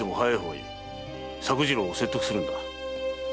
おきく作次郎を説得するんだ。